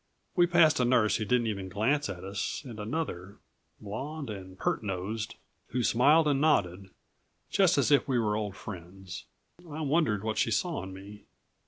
We passed a nurse who didn't even glance at us and another blonde and pert nosed who smiled and nodded, just as if we were old friends. I wondered what she saw in me.